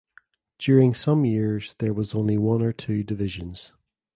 During some years there was only one or two divisions.